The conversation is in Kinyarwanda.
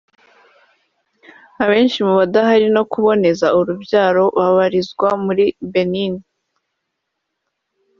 Abenshi mu badahirwa no kuboneza urubyaro babarizwa muri Benin